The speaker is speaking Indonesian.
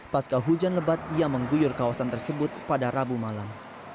pasca hujan lebat yang mengguyur kawasan tersebut pada rabu malam